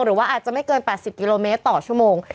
หรือว่าอาจจะไม่เกิน๘๐กิโลเมตรต่อชั่วโมง